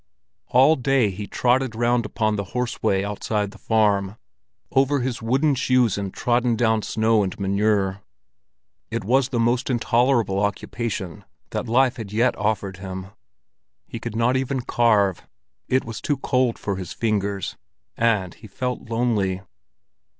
All day he trotted round upon the horse way outside the farm, over his wooden shoes in trodden down snow and manure. It was the most intolerable occupation that life had yet offered him. He could not even carve, it was too cold for his fingers; and he felt lonely.